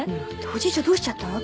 「おじいちゃんどうしちゃったの？」